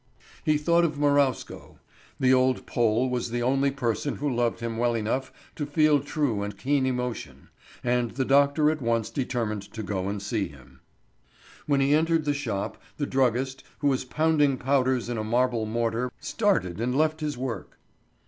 He thought of Marowsko. The old Pole was the only person who loved him well enough to feel true and keen emotion, and the doctor at once determined to go and see him. When he entered the shop, the druggist, who was pounding powders in a marble mortar, started and left his work.